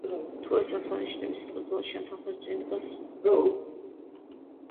თუ ეს ასო-ნიშნები სიტყვის ბოლოში, ან თანხმოვნების წინ დგას.